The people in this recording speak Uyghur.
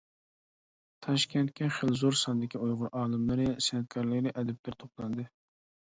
تاشكەنتكە خېلى زور ساندىكى ئۇيغۇر ئالىملىرى، سەنئەتكارلىرى، ئەدىبلىرى توپلاندى.